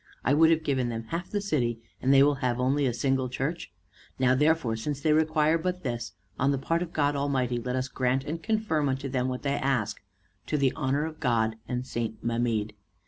I would have given them half the city, and they will have only a single church! Now therefore, since they require but this, on the part of God Almighty let us grant and confirm unto them what they ask, to the honor of God and St. Mamede."